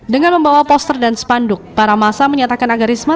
dengan membawa poster dan spanduk para masa menyatakan agar risma